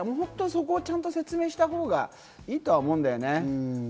そこをちゃんと説明したほうがいいと思うんだよね。